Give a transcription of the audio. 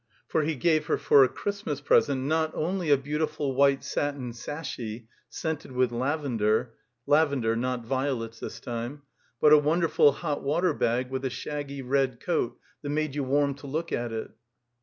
For he gave her for a Christmas present, not only a beautiful white satin "sashy," scented with lavender (lavender, not vio lets, this time), but a wonderful hot water bag with a shaggy red coat that made you warm to look at it.